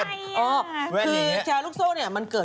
สวัสดีค่าข้าวใส่ไข่